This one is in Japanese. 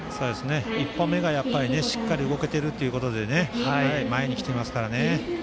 １歩目がしっかり動けているということで前に来ていますからね。